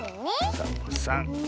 サボさん。